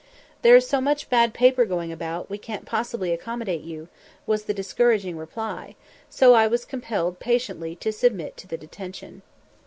"There's so much bad paper going about, we can't possibly accommodate you," was the discouraging reply; so I was compelled patiently to submit to the detention.